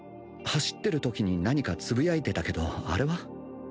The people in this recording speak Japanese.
走ってるときに何かつぶやいてたけどあれは？